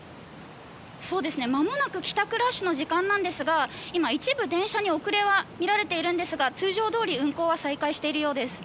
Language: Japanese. まもなく帰宅ラッシュの時間なんですが今、一部電車に遅れはみられていますが通常どおり運行は再開しているようです。